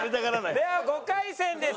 では５回戦です。